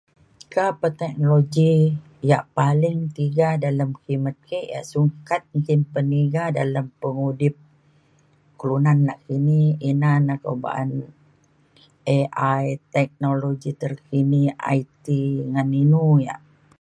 meka pe teknologi yak paling tiga dalem kimet ke yak sukat nggin peniga dalem pengudip kelunan nakini ina na kuak ba’an AI teknologi terkini IT ngan inu yak